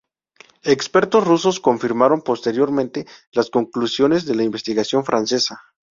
Expertos rusos confirmaron posteriormente las conclusiones de la investigación francesa.